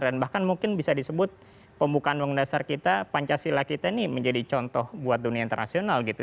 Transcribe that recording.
dan bahkan mungkin bisa disebut pembukaan undang undang dasar kita pancasila kita ini menjadi contoh buat dunia internasional gitu